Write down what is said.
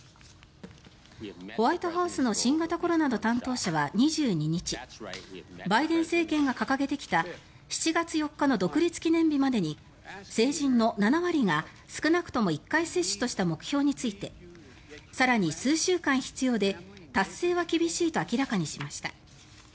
ホワイトハウスの新型コロナの担当者は２２日バイデン政権が掲げてきた７月４日の独立記念日までに成人の７割が少なくとも１回接種とした目標について更に数週間必要で達成は厳しいと明らかにしました。